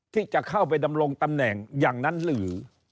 ที่จะเข้าไปดำรงตำแหน่งอย่างนั้นหรือ